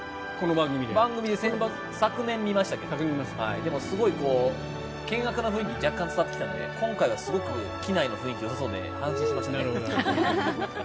番組で昨年見ましたけどすごい険悪な雰囲気が若干伝わってきたので今回はすごく機内の雰囲気がよさそうで安心しました。